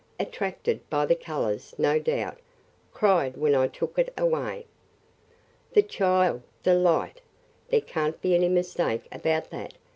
Attracted by the colors, no doubt. Cried when I took it away.' "'The child, Delight'! There can't be any mistake about that!"